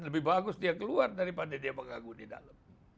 lebih bagus dia keluar daripada dia mengganggu di dalam